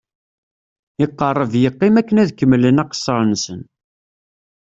Iqerreb yeqqim akken ad kemmlen aqessar-nsen.